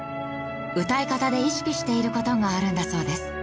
歌い方で意識している事があるんだそうです。